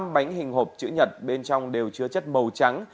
năm bánh hình hộp chữ nhật bên trong đều chứa chất màu trắng